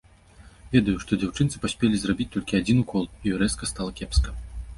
Ведаю, што дзяўчынцы паспелі зрабіць толькі адзін укол, і ёй рэзка стала кепска.